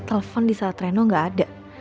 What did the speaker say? telepon di saat reno nggak ada